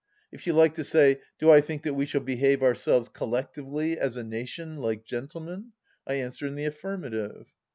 If you like to say, do I think that we shall behave ousselves, collectively, as a nation, like gentlemen ? I answer in the affirmative."